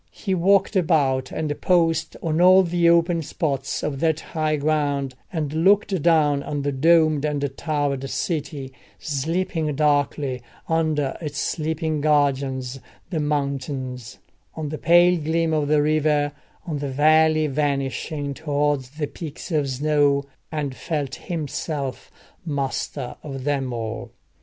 He walked about and paused on all the open spots of that high ground, and looked down on the domed and towered city, sleeping darkly under its sleeping guardians, the mountains; on the pale gleam of the river; on the valley vanishing towards the peaks of snow; and felt himself master of them all.